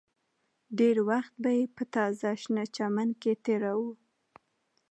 ډېر وخت به یې په تازه شنه چمن کې تېراوه